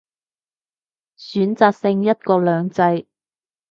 選擇性一國兩制